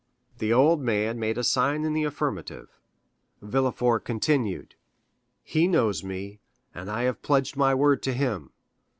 The old man made a sign in the affirmative. Villefort continued: "He knows me, and I have pledged my word to him.